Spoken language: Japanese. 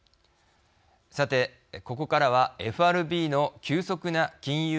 さて、ここからはＦＲＢの急速な金融